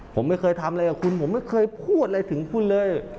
ผมไม่เคยทำอะไรกับคุณผมไม่เคยพูดอะไรถึงคุณเลย